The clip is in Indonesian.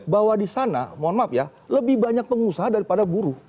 bahwa di sana mohon maaf ya lebih banyak pengusaha daripada buruh